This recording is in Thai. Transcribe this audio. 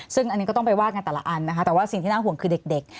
ซึ่งอันนี้ก็ต้องไปว่ากันแต่ละอันนะคะแต่ว่าสิ่งที่น่าห่วงคือเด็ก